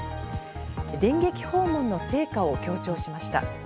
電撃訪問の成果を強調しました。